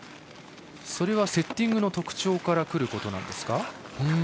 それは、セッティングの特徴からくることなんですか？